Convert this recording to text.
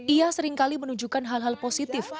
ia seringkali menunjukkan hal hal positif